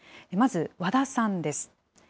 まず、和田さんです。